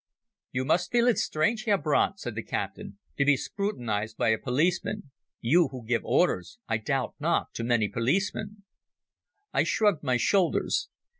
"You must feel it strange, Herr Brandt," said the captain, "to be scrutinized by a policeman, you who give orders, I doubt not, to many policemen." I shrugged my shoulders.